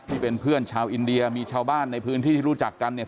ที่เป็นเพื่อนชาวอินเดียมีชาวบ้านในพื้นที่ที่รู้จักกันเนี่ย